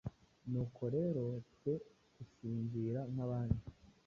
Nuko rero twe gusinzira nk’abandi,